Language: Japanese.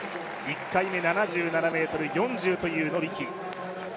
１回目、７７ｍ４０というノビキ。